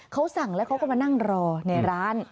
เขาสั่งแล้วเขาก็มานั่งรอในร้าน